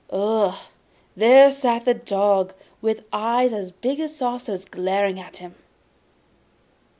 Ugh! there sat the dog with eyes as big as saucers glaring at him.